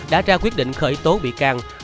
đã ra quyết định khởi tố bị can